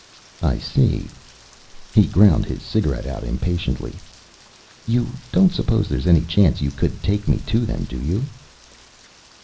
"I see." He ground his cigarette out impatiently. "You don't suppose there's any chance you could take me to them, do you?"